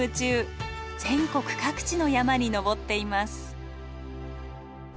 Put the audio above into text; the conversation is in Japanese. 全国各地の山に登っています。